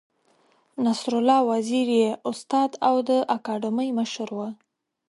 نصرالله وزیر یې استاد او د اکاډمۍ مشر و.